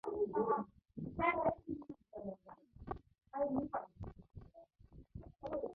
Ингэхэд танай тасгийн захирал залууг хэн гэдэг гэлээ дээ?